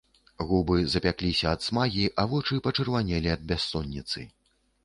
Губы запякліся ад смагі, а вочы пачырванелі ад бяссонніцы.